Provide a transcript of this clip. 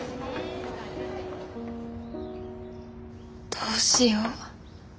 どうしよう。